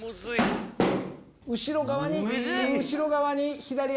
後ろ側に後ろ側に左足。